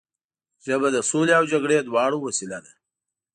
ژبه د سولې او جګړې دواړو وسیله ده